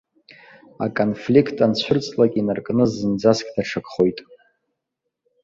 Аконфлиқт анцәырҵлакь инаркны зынӡаск даҽакхоит.